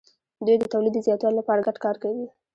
دوی د تولید د زیاتوالي لپاره ګډ کار کوي.